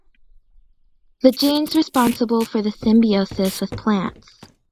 The genes responsible for the symbiosis with plants.